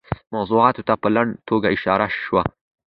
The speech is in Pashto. موضوعاتو ته په لنډه توګه اشاره شوه.